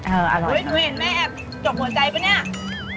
เห็นมันแอบจบหัวใจป่ะเนี่ย